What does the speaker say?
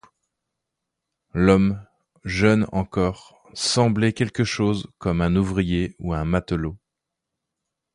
L’homme, jeune encore, semblait quelque chose comme un ouvrier ou un matelot.